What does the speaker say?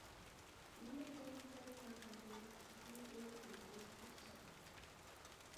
«نېمىدېگەن گۈزەل پارقىرىدى» دېدى ئۇ ئۆز-ئۆزىگە پىچىرلاپ.